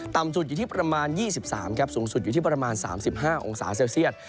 ต่ำสุดอยู่ที่ประมาณ๒๓ครับสูงสุดอยู่ที่ประมาณ๓๕องศาเซลเซียต